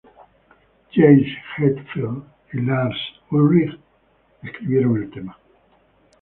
James Hetfield y Lars Ulrich escribieron el tema.